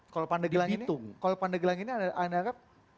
kalau pandegelang ini anda anggap